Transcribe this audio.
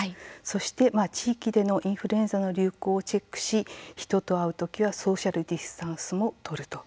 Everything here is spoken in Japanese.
そして地域でのインフルエンザの流行をチェックし人と会う時はソーシャルディスタンスも取ると。